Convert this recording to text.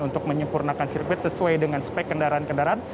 untuk menyempurnakan sirkuit sesuai dengan spek kendaraan kendaraan